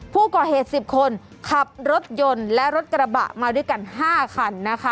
ผู้ก่อเหตุ๑๐คนขับรถยนต์และรถกระบะมาด้วยกัน๕คันนะคะ